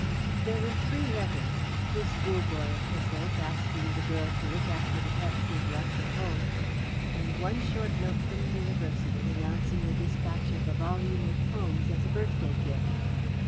There were three letters: two schoolboy epistles, asking the girl to look after the pets he had left at home, and one short note from the University announcing the dispatch of a volume of poems as a birthday gift.